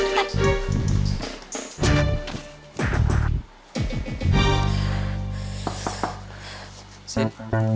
cukup masuk cepet